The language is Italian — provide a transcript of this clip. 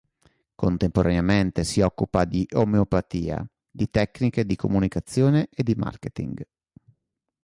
Contemporaneamente si occupa di omeopatia, di tecniche di comunicazione e di marketing.